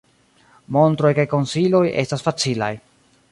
Montroj kaj konsiloj estas facilaj.